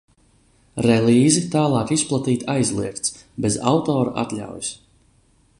Relīzi tālāk izplatīt aizliegts bez autora atļaujas!